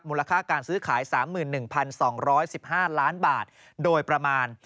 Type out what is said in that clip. มูลค่าการซื้อขาย๓๑๒๑๕ล้านบาทโดยประมาณ